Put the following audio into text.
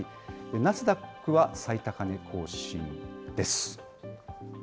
ナスダックは最高値更新です。